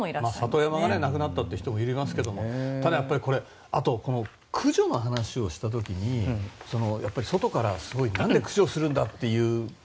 里山がなくなったと言う人もいますけれどもあと、駆除の話をした時に外からなんで駆除するんだっていう。